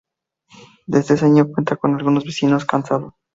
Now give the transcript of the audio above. Desde ese año cuenta con algunos vecinos censados.